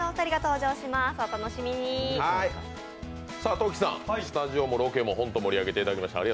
トキさん、スタジオもロケもホント盛り上げていただきました。